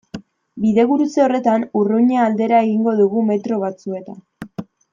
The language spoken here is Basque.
Bidegurutze horretan Urruña aldera egingo dugu metro batzuetan.